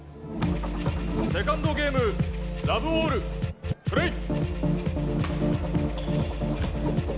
セカンドゲームラブオールプレー。